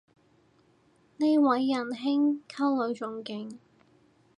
呢位人兄溝女仲勁